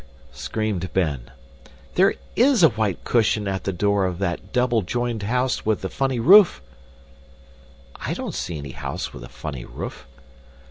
screamed Ben. "There IS a white cushion at the door of that double joined house with the funny roof." "I don't see any house with a funny roof."